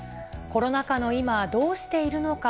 コロナ禍の今、どうしているのか。